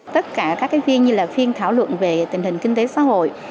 tất cả các phiên như là phiên thảo luận về tình hình kinh tế xã hội